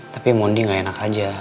tapi mondi gak enak aja